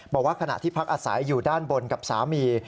บอกว่าขณะที่พักอาศัยอยู่ด้านบนกับสามี